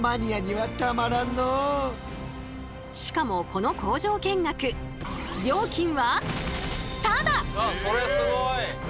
しかもこの工場見学料金はそれすごい！